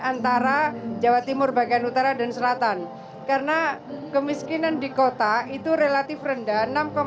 antara jawa timur bagian utara dan selatan karena kemiskinan di kota itu relatif rendah